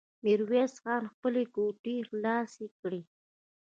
ميرويس خان خپلې ګوتې خلاصې کړې.